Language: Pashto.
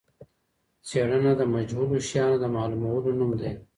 څېړنه د مجهولو شیانو د معلومولو نوم دی.